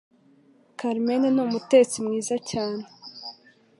Carmen ni umutetsi mwiza cyane